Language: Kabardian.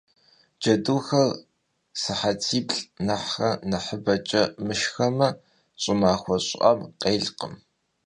Ceduxer sıhetiplh' nexhre nexhıbeç'e mışşxeme ş'ımaxue ş'ı'em khêlkhım.